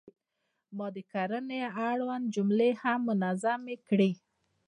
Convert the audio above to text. ما د کرنې اړوند جملې هم منظمې کړې.